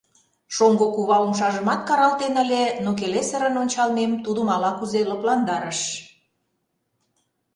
Шоҥго кува умшажымат каралтен ыле, но келесырын ончалмем тудым ала-кузе лыпландарыш.